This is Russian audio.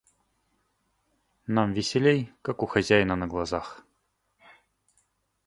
Нам веселей, как у хозяина на глазах...